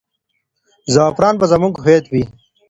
زعفران به زموږ هویت وي.